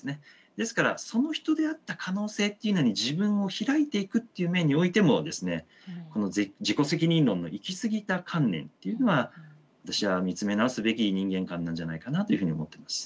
ですからその人であった可能性っていうのに自分を開いていくっていう面においてもですねこの自己責任論の行き過ぎた観念っていうのは私は見つめ直すべき人間観なんじゃないかなというふうに思ってます。